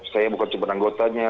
saya bukan cuma anggotanya